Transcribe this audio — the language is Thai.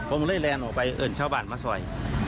ผมเลยแลนออกไปเอิญชาวบ้านมาซอย